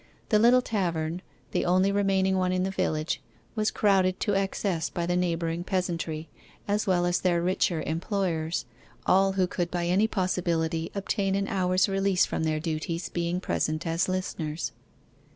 The little tavern the only remaining one in the village was crowded to excess by the neighbouring peasantry as well as their richer employers: all who could by any possibility obtain an hour's release from their duties being present as listeners.